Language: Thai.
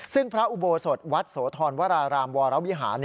ซึ่งพระอุโบสถวัดโสธรวรารามวรวิหาร